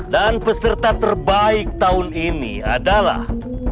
dan peserta terbaik tahun ini adalah